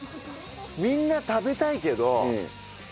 みんな食べたいけど。